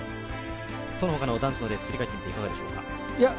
そのほかの男子のレース振り返っていかがでしょうか。